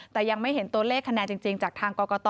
แต่ยังไม่เห็นตัวเลขคะแนนจริงจากทางกรกต